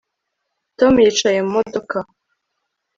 Tom yicaye mu modoka